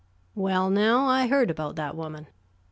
"Well, now, I heard about that woman.